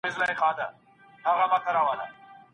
باور په ځان باندي یو رښتینی قوت دی.